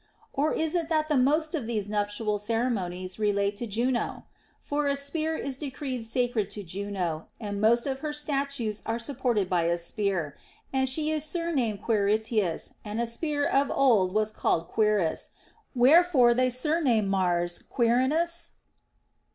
Or is it that most of these nuptial ceremonies relate to Juno ? For a spear is decreed sacred to Juno, and most of her statues are supported by a spear, and she is surnamed Quiritis, and a spear of old was called quiris, wherefore they surname Mars Quirinus